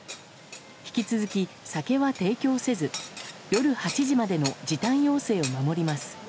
引き続き酒は提供せず夜８時までの時短要請を守ります。